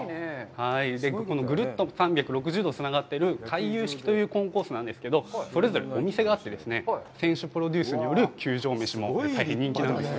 このぐるっと３６０度つながっている回遊式というコンコースなんですけど、それぞれお店があってですね、選手プロデュースによる球場飯も大変人気なんですよ。